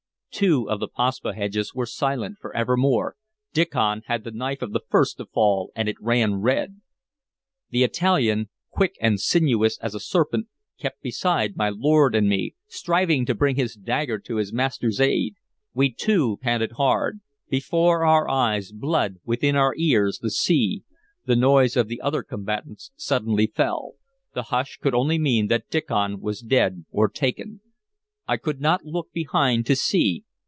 Two of the Paspaheghs were silent for evermore. Diccon had the knife of the first to fall, and it ran red. The Italian, quick and sinuous as a serpent, kept beside my lord and me, striving to bring his dagger to his master's aid. We two panted hard; before our eyes blood, within our ears the sea. The noise of the other combatants suddenly fell. The hush could only mean that Diccon was dead or taken. I could not look behind to see.